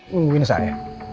munggu ini saya